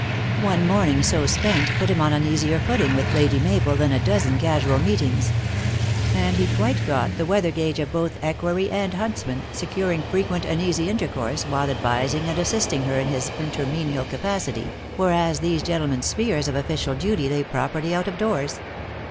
One morning so spent put him on an easier footing with Lady Mabel than a dozen casual meetings ; and he quite got the weather gage of both equerry and huntsman, securing frequent and easy in tercourse, while advising and assisting her in his in ter menial capacity, whereas these gentlemen s spheres of official duty lay properly out of doors.